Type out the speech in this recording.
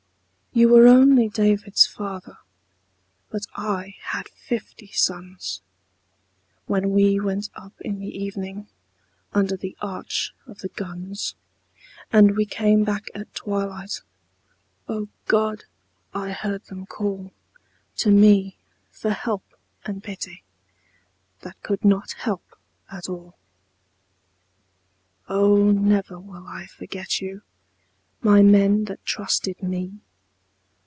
You were, only David's father, But I had fifty sons When we went up in the evening Under the arch of the guns, And we came back at twilight — O God ! I heard them call To me for help and pity That could not help at all. Oh, never will I forget you, My men that trusted me.